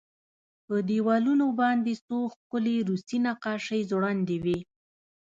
په دېوالونو باندې څو ښکلې روسي نقاشۍ ځوړندې وې